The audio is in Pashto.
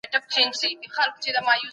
ملنډي وهل به انسان سپکوي.